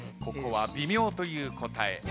ここは「微妙」という答え。